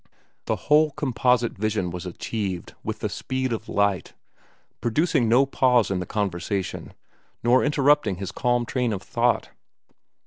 The whole composite vision was achieved with the speed of light, producing no pause in the conversation, nor interrupting his calm train of thought.